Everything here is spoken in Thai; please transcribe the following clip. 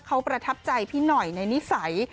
เขาประทับใจพี่หน่อยในนิสัย